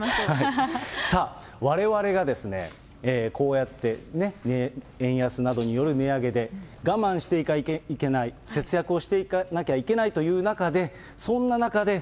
さあ、われわれがこうやって円安などによる値上げで我慢していかなきゃいけない、節約をしていかなきゃいけないという中で、そんな中で、